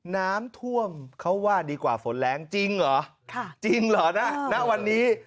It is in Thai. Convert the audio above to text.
น้ำท่วมเขาว่าดีกว่าฝนแรงจริงเหรอจริงเหรอนะณวันนี้